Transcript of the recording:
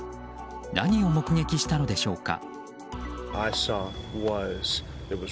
何を目撃したのでしょうか。